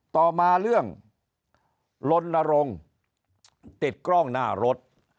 ต่อมาเรื่องลนรงค์ติดกล้องหน้ารถ